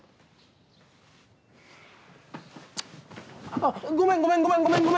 あっごめんごめんごめん。